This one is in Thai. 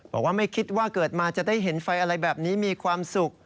บอกว่าไม่คิดว่าเกิดมาจะได้เห็นไฟอะไรแบบนี้มีความสุข